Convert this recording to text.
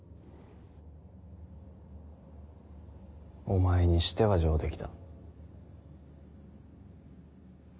お前にしては上出来だ。